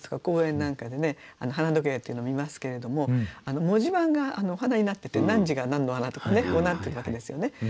公園なんかで花時計っていうの見ますけれども文字盤がお花になってて何時が何の花とかねこうなってるわけですよね。